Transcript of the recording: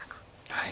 はい。